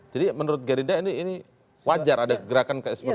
jadi menurut gerindra ini wajar ada gerakan seperti itu